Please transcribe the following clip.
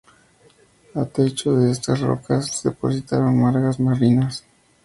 A techo de estas rocas se depositaron margas marinas.